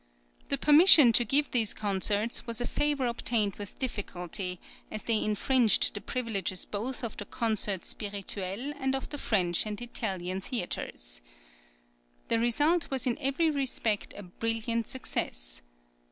The permission to give these concerts was a favour obtained with difficulty, as they infringed the privileges both of the Concert Spirituel and of the French and Italian theatres. The result was in every respect a brilliant success.